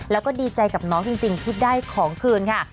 แล้วก็ดีใจกับน้องจริงที่ได้ของคืนค่ะ